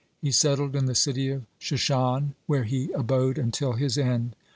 He settled in the city of Shushan, where he abode until his end.